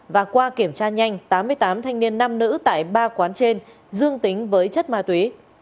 và qua kiểm tra nhanh tám mươi tám thanh niên nam nữ tại ba quán trên dương tính với chất ma túy